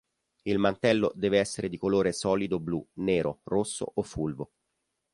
Il mantello deve essere di colore solido blu, nero, rosso o fulvo.